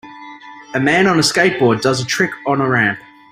A man on a skateboard does a trick on a ramp.